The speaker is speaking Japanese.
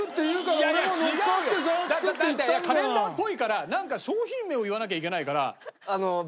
だってカレンダーっぽいからなんか商品名を言わなきゃいけないから。